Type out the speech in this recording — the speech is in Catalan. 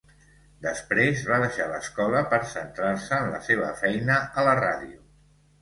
Després va deixar l'escola per centrar-se en la seva feina a la ràdio.